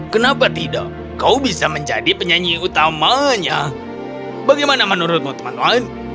kenapa tidak kau bisa menjadi penyanyi utamanya bagaimana menurutmu teman lain